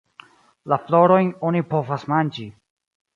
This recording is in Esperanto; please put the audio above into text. La florojn oni povas manĝi.